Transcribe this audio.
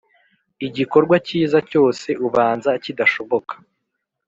igikorwa cyiza cyose ubanza kidashoboka.